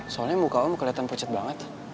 soalnya muka om kelihatan pucat banget